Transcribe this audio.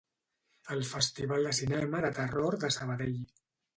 El Festival de Cinema de Terror de Sabadell.